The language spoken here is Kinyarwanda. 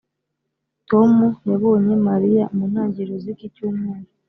tom yabonye mariya mu ntangiriro z'iki cyumweru.